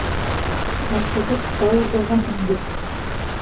Ашығып палубаға мендек.